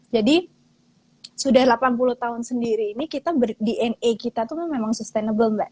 jadi sudah delapan puluh tahun sendiri ini kita dna kita itu memang sustainable mbak